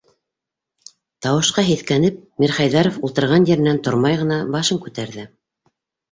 Тауышҡа һиҫкәнеп, Мирхәйҙәров ултырған еренән тормай ғына башын күтәрҙе: